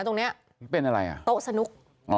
ตรงนี้โต๊ะสนุก